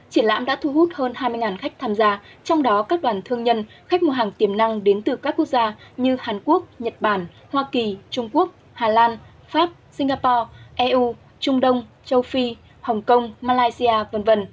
triển lãm đã thu hút hơn hai mươi khách tham gia trong đó các đoàn thương nhân khách mua hàng tiềm năng đến từ các quốc gia như hàn quốc nhật bản hoa kỳ trung quốc hà lan pháp singapore eu trung đông châu phi hồng kông malaysia v v